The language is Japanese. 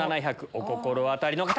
お心当たりの方！